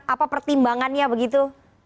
apa pertimbangannya begitu